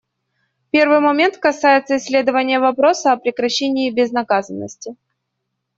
Первый момент касается исследования вопроса о прекращении безнаказанности.